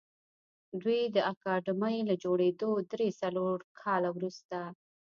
دوی د اکاډمۍ له جوړېدو درې څلور کاله وروسته